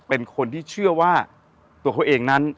เป็นคนที่เชื่อว่าตัวเขาเองนั้น